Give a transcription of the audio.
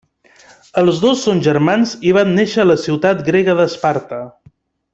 Els dos són germans i van néixer a la ciutat grega d'Esparta.